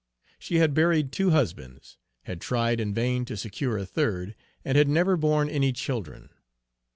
She had buried two husbands, had tried in vain to secure a third, and had never borne any children.